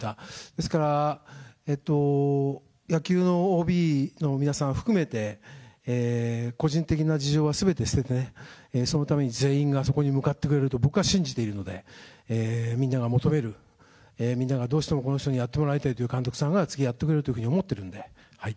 ですから、野球のＯＢの皆さんを含めて、個人的な事情はすべて捨ててね、そのために全員が、そこに向かってくれると僕は信じているので、みんなが求める、みんながどうしてもこの人にやってもらいたいという監督さんが、次、やってくれるというふうに思ってるので。